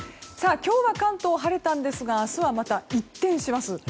今日は関東晴れたんですが明日はまた一転します。